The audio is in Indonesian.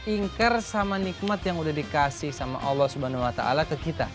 ingkar sama nikmat yang udah dikasih sama allah swt ke kita